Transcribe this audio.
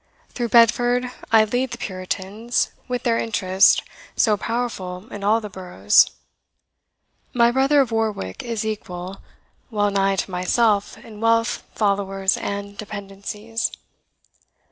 Through Bedford I lead the Puritans, with their interest, so powerful in all the boroughs. My brother of Warwick is equal, well nigh, to myself, in wealth, followers, and dependencies.